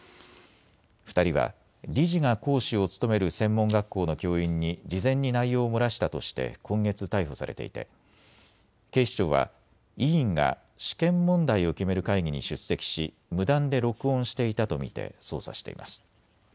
２人は理事が講師を務める専門学校の教員に事前に内容を漏らしたとして今月、逮捕されていて警視庁は委員が試験問題を決める会議に出席し無断で録音していたと見て捜査しています。